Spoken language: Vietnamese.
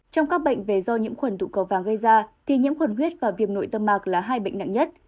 trong các bệnh về do nhiễm khuẩn tụ cầu vàng gây ra thì nhiễm khuẩn huyết và viêm nội tâm mạc là hai bệnh nặng nhất